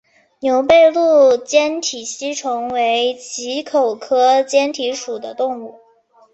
牛背鹭坚体吸虫为棘口科坚体属的动物。